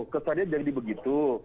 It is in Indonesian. kesannya jadi begitu